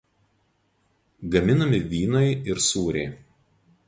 Gaminami vynai ir sūriai.